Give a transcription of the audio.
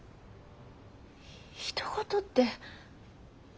ひと事って。